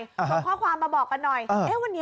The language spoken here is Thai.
ส่งข้อความมาบอกกันหน่อย